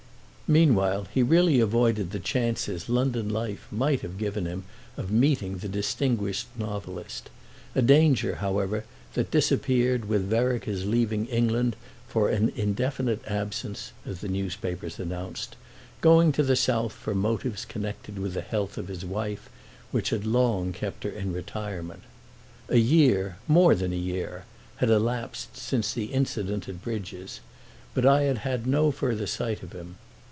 Meanwhile he really avoided the chances London life might have given him of meeting the distinguished novelist; a danger, however, that disappeared with Vereker's leaving England for an indefinite absence, as the newspapers announced—going to the south for motives connected with the health of his wife, which had long kept her in retirement. A year—more than a year—had elapsed since the incident at Bridges, but I had had no further sight of him.